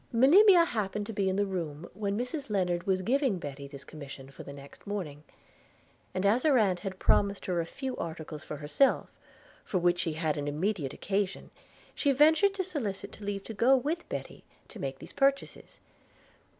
Monimia happened to be in the room when Mrs Lennard was giving Betty this commission for the next morning; and as her aunt had promised her a few articles for herself, for which she had immediate occasion, she ventured to solicit leave to go with Betty to make these purchases.